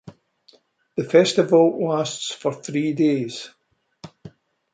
The festival lasts for three days.